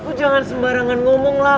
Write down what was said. aku jangan sembarangan ngomong lah